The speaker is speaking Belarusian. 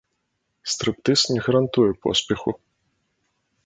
Стрыптыз не гарантуе поспеху.